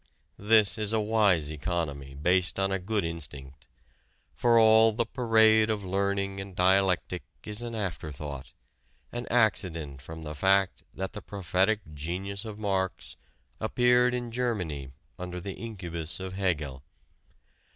This is a wise economy based on a good instinct. For all the parade of learning and dialectic is an after thought an accident from the fact that the prophetic genius of Marx appeared in Germany under the incubus of Hegel.